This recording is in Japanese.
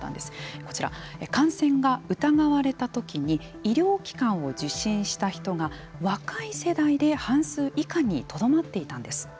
こちら、感染が疑われたときに医療機関を受診した人が若い世代で半数以下にとどまっていたんです。